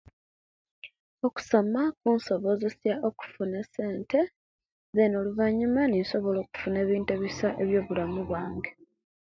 Okusoma kusobozesia okufuna esente zena oluvanyuma ninsobola okufuna ebintu ebiisa ebyobulamu bwange